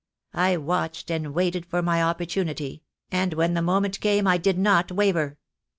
I watched and waited for my opportunity; and when the moment came I did not waver.